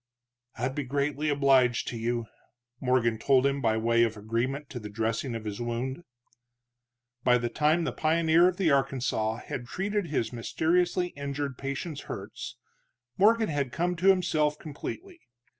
"I'd be greatly obliged to you," Morgan told him, by way of agreement to the dressing of his wound. By the time the pioneer of the Arkansas had treated his mysteriously injured patient's hurts, Morgan had come to himself completely.